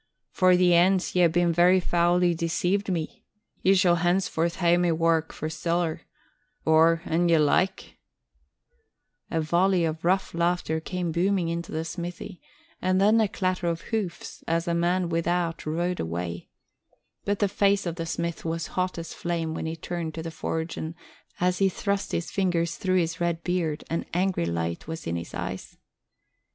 For the ance ye hae very foully deceived me. Ye shall hence forth hae my wark for siller; or, an ye like " A volley of rough laughter came booming into the smithy, and then a clatter of hoofs as the man without rode away; but the face of the smith was hot as flame when he turned to the forge, and, as he thrust his fingers through his red beard, an angry light was in his eyes.